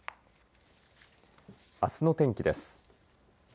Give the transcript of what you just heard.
あすの天気です。